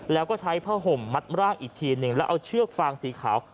แล้วก็ใช้ผ้าห่มมัดร่างอีกทีหนึ่งแล้วเอาเชือกฟางสีขาว